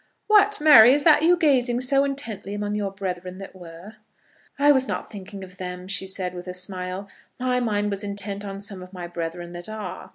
] "What, Mary, is that you gazing in so intently among your brethren that were?" "I was not thinking of them," she said, with a smile. "My mind was intent on some of my brethren that are."